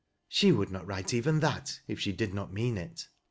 She would aol write even that if she did not mean it."